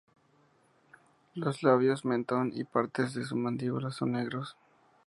Los labios, mentón, y partes de su mandíbula son negros.